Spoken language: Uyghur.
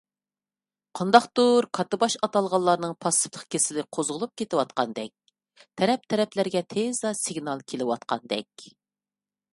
قانداقتۇر كاتتىباش ئاتالغانلارنىڭ پاسسىپلىق كېسىلى قوزغىلىپ كېتىۋاتقاندەك، تەرەپ - تەرەپلەرگە تېزلا سىگنال كېلىۋاتقاندەك.